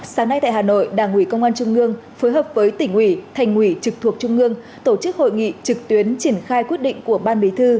sáng nay tại hà nội đảng ủy công an trung ương phối hợp với tỉnh ủy thành ủy trực thuộc trung ương tổ chức hội nghị trực tuyến triển khai quyết định của ban bí thư